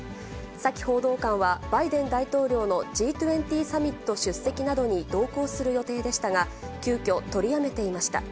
サキ報道官は、バイデン大統領のＧ２０サミット出席などに同行する予定でしたが、急きょ、取りやめていました。